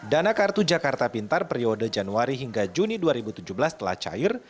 dana kartu jakarta pintar periode januari hingga juni dua ribu tujuh belas telah cair